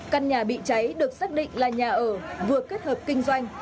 căn nhà bị cháy được xác định là nhà ở vừa kết hợp kinh doanh